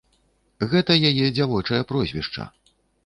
Гэта яе дзявочае прозвішча.